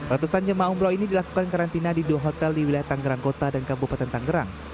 ratusan jemaah umroh ini dilakukan karantina di dua hotel di wilayah tanggerang kota dan kabupaten tangerang